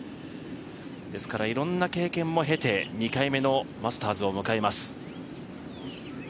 ですからいろんな経験を経て２回目のマスターズを迎えます。